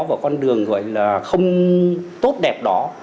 và con đường gọi là không tốt đẹp đó